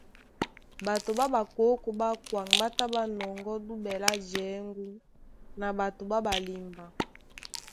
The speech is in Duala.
Ɓato ɓá ɓakókō ɓá kwaŋ ɓá tá ɓá nɔŋgɔ́ duɓɛ lá jěŋgú na ɓato ɓá ɓalimba.